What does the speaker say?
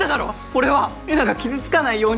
俺はえなが傷つかないようにって。